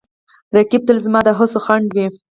رقیب تل زما د هڅو خنډ وي